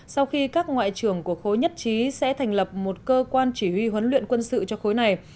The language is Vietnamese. sau khi các ngoại trưởng của khối nhất trí sẽ thành lập một cơ quan chỉ huy huấn luyện quân sự cho khối này